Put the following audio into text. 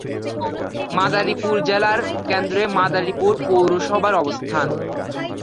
মাদারীপুর জেলার কেন্দ্রে মাদারীপুর পৌরসভার অবস্থান।